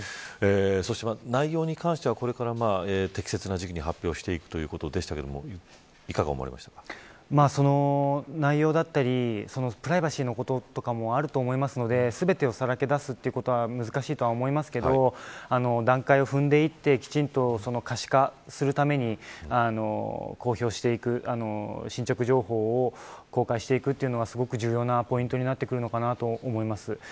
そして、内容に関してはこれから適切な時期に発表していくということでしたが内容だったりプライバシーのこととかもあると思いますので全てをさらけ出すことは難しいと思いますけど段階を踏んでいってきちんと可視化するために公表していく進捗情報を公開していくというのはすごく重要なポイントになってくるのかなと思います。